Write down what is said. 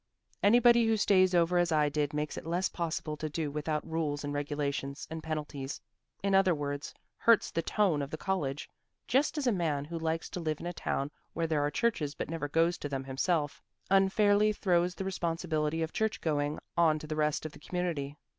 Anybody who stays over as I did makes it less possible to do without rules and regulations and penalties in other words hurts the tone of the college, just as a man who likes to live in a town where there are churches but never goes to them himself, unfairly throws the responsibility of church going on to the rest of the community.